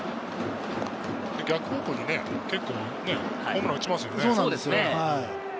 逆方向に結構ホームランを打ちますよね。